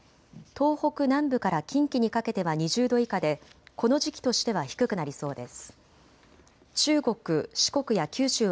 東北南部から近畿にかけては２０度以下で、この時期としては低くなりそうです。